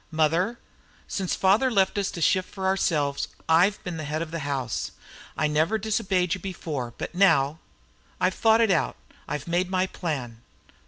"Mother, since father left us to shift for ourselves I've been the head of the house. I never disobeyed you before, but now I've thought it out. I've made my plan."